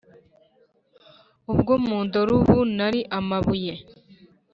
Ubwo mundora ubu nari amabuye